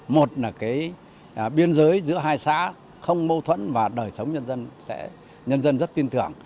một là biên giới giữa hai xã không mâu thuẫn và đời sống nhân dân rất tin tưởng